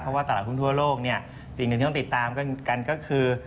เพราะว่าตลาดหุ้นทั่วโลกเนี่ยสิ่งหนึ่งที่ต้องติดตามกันก็คือ